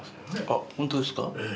あっ本当ですか。